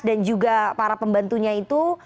dan juga para pembantunya itu